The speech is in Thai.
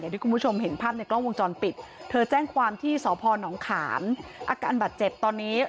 ที่คุณผู้ชมเห็นภาพในกล้องวงจรปิดเธอแจ้งความที่สพนขามอาการบาดเจ็บตอนนี้